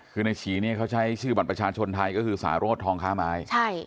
คือในฉีเนี่ยเขาใช้ชื่อบัตรประชาชนไทยก็คือสารโรธทองค้าไม้